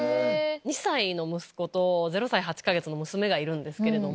２歳の息子と０歳８か月の娘がいるんですけれども。